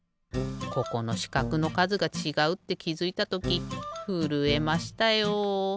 ここのしかくのかずがちがうってきづいたときふるえましたよ。